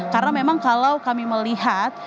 karena memang kalau kami melihat